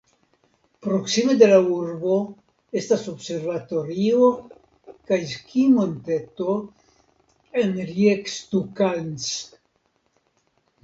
Proksime de la urbo estas observatorio kaj skimonteto en Riekstukalns.